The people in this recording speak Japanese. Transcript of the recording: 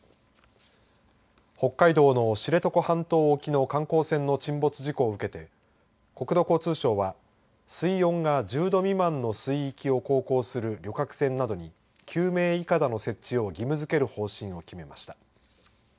北海道の知床半島沖の観光船の沈没事故を受けて国土交通省は水温が１０度未満の水域を航行する旅客船などに救命いかだの設置を義務づける方針を決めました。